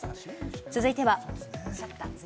続いては。